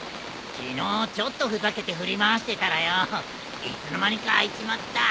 昨日ちょっとふざけて振り回してたらよいつの間にか開いちまった。